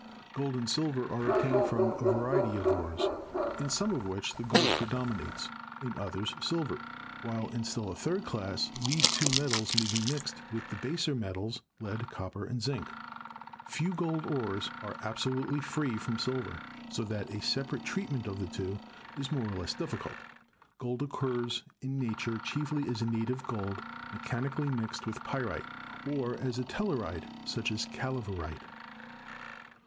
Gold and silver are obtained from a variety of ores, in some of which the gold predominates, in others silver, MINING AND METALLURGY 283 while in still a third class these two metals may be mixed with the baser metals, lead, copper and zinc. Few gold ores are absolutely free from silver, so that a separate treatment of the two is more or less difficult. Gold oc curs in nature chiefly as native gold, mechanically mixed with pyrite, or as a telluride such as calaverite.